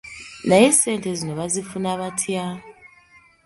Naye ssente zino bazifuna batya?